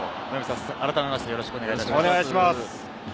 改めましてよろしくお願いします。